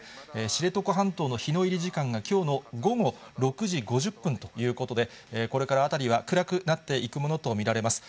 知床半島の日の入り時間がきょうの午後６時５０分ということで、これから辺りは暗くなっていくものと見られます。